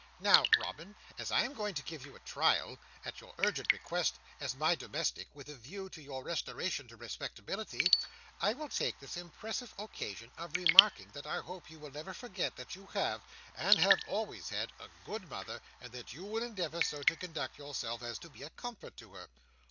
Now, Robin, as I am going to give you a trial, at your urgent request, as my domestic, with a view to your restoration to respectability, I will take this impressive occasion of remarking that I hope you will never forget that you have, and have always had, a good mother, and that you will endeavour so to conduct yourself as to be a comfort to her."